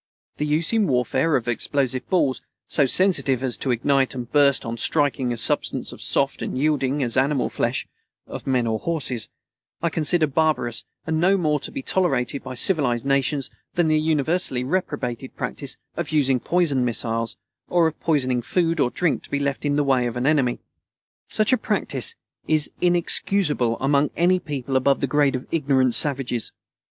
The use in warfare of explosive balls, so sensitive as to ignite and burst on striking a substance as soft and yielding as animal flesh (of men or horses), I consider barbarous and no more to be tolerated by civilized nations than the universally reprobated practice of using poisoned missiles, or of poisoning food or drink to be left in the way of an enemy. Such a practice is inexcusable among any people above the grade of ignorant savages.